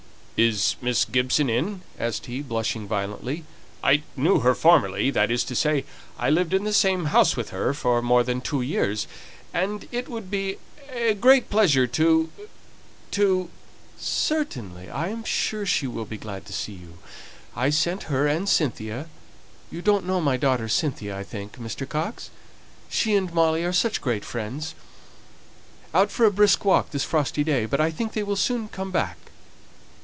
"Is Miss Gibson in?" asked he, blushing violently. "I knew her formerly that is to say, I lived in the same house with her, for more than two years, and it would be a great pleasure to to " "Certainly, I am sure she will be so glad to see you. I sent her and Cynthia you don't know my daughter Cynthia, I think, Mr. Coxe? she and Molly are such great friends out for a brisk walk this frosty day, but I think they will soon come back."